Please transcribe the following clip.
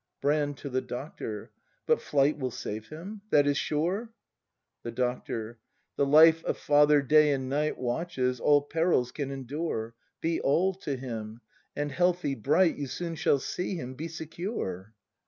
Brand. [To The Doctor.] But flight will save him ? That is sure ? The Doctor. The life a father day and night Watches, all perils can endure. Be all to him! and healthy, bright. You soon shall see him, be secure!